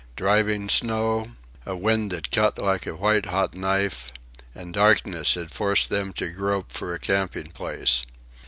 Driving snow, a wind that cut like a white hot knife, and darkness had forced them to grope for a camping place.